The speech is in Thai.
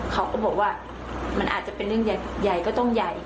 เขาก็บอกว่ามันอาจจะเป็นเรื่องใหญ่ก็ต้องใหญ่